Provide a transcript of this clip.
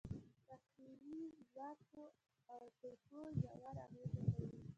تخیلي ځواک په عواطفو ژور اغېز کوي.